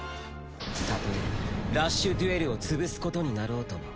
たとえラッシュデュエルを潰すことになろうとも。